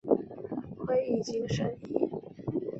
会议经审议